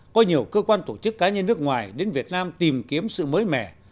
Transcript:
có nhiều cơ quan tổ chức cá nhân nước ngoài đến việt nam tìm kiếm sự mới mẻ